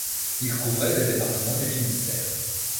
Il couvrait le département du Finistère.